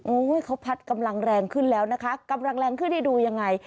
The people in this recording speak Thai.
เขาพัดกำลังแรงขึ้นแล้วนะคะกำลังแรงขึ้นให้ดูยังไง